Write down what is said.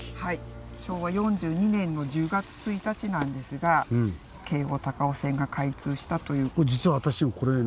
昭和４２年の１０月１日なんですが京王高尾線が開通したという。